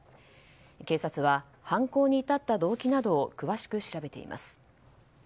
警察は犯行に至った動機などを詳しく調べています。